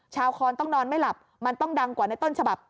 คอนต้องนอนไม่หลับมันต้องดังกว่าในต้นฉบับ